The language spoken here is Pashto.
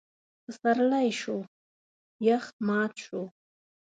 پسرلی شو؛ يخ مات شو.